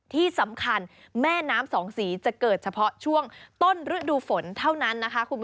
ที่สำคัญแม่น้ำสองสีจะเกิดเฉพาะช่วงต้นฤดูฝนเท่านั้น